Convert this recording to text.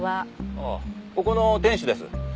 ああここの店主です。